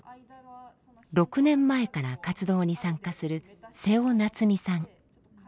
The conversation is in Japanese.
６年前から活動に参加する瀬尾夏美さん。